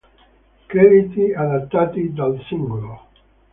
Crediti adattati dal singolo.